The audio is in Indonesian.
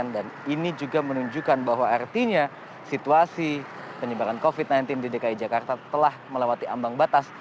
dan ini juga menunjukkan bahwa artinya situasi penyebaran covid sembilan belas di dki jakarta telah melewati ambang batas